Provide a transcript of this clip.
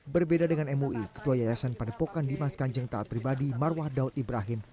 berbeda dengan mui ketua yayasan padepokan dimas kanjeng taat pribadi marwah daud ibrahim